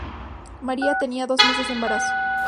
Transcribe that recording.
María tenía dos meses de embarazo.